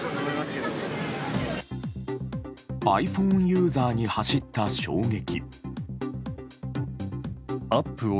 ｉＰｈｏｎｅユーザーに走った衝撃。